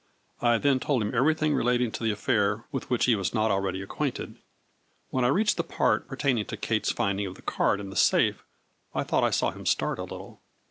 I then told him everything relating to the affair with which he was not already acquainted. When I reached that part pertaining to Kate's finding of the card in the safe I thought I saw him start a little.